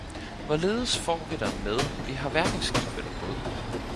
Hvorledes får vi dig med vi har hverken skib eller båd